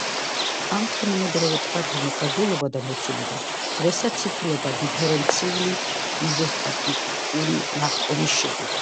ამ თანამედროვე ტბათა მოხაზულობა და მოცულობა დღესაც იცვლება დიფერენციული იზოსტატიკური ნახტომის შედეგად.